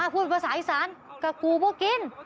พูดภาษาอีสานกะกูพวกกิน